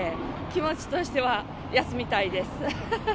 気持ちとしては休みたいです。